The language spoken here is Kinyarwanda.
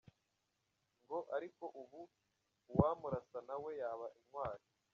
Ngo« ariko ubu uwamurasa na we yaba intwali ».